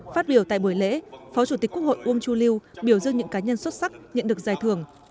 phát biểu tại buổi lễ phó chủ tịch quốc hội uông chu lưu biểu dương những cá nhân xuất sắc nhận được giải thưởng